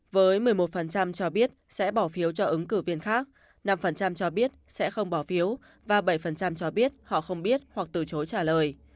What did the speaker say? với một mươi một cho biết sẽ bỏ phiếu cho ứng cử viên khác năm cho biết sẽ không bỏ phiếu và bảy cho biết họ không biết hoặc từ chối trả lời